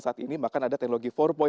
saat ini bahkan ada teknologi empat